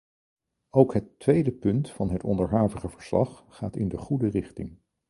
Ook het tweede punt van het onderhavige verslag gaat in de goede richting.